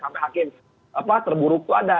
sampai hakim terburuk itu ada